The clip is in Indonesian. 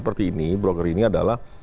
seperti ini broker ini adalah